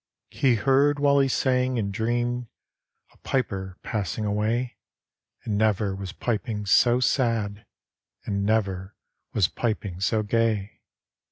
He heard while he sang and dreamed A piper passing away, And never was piping so sad, And never was piping so gaj*.